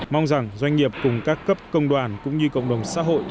mong rằng doanh nghiệp cùng các cấp công đoàn cũng như cộng đồng xã hội